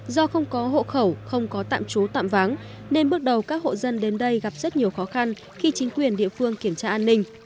do không có hộ khẩu không có tạm trú tạm vắng nên bước đầu các hộ dân đến đây gặp rất nhiều khó khăn khi chính quyền địa phương kiểm tra an ninh